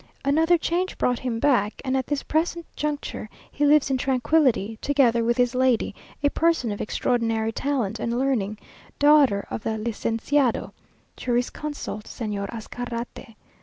Another change brought him back; and at this present juncture he lives in tranquillity, together with his lady, a person of extraordinary talent and learning, daughter of the Lizenciado (jurisconsult) Señor Azcarate.